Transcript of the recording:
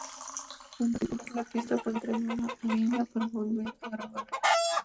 En particular, la pista fue entregada a Inna para volver a grabarla.